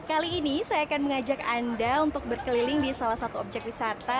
kali ini saya akan mengajak anda untuk berkeliling di salah satu objek wisata